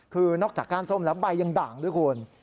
คือนอกจากก้านส้มแล้วใบยังด่างด้วยคุณ